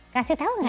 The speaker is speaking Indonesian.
kasih tau gak ya